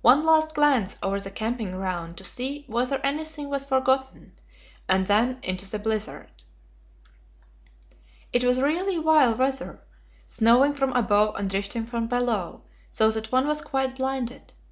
One last glance over the camping ground to see whether anything was forgotten, and then into the blizzard. It was really vile weather, snowing from above and drifting from below, so that one was quite blinded.